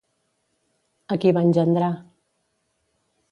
A qui va engendrar?